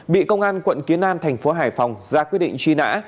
bị công an quận kiến an thành phố hải phòng ra quyết định truy nã